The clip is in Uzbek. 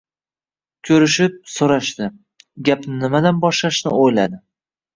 Ko‘rishib-so‘rashdi. Gapni nimadan boshlashni o‘yladi.